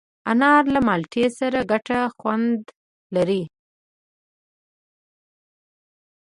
انار له مالټې سره ګډ خوند لري.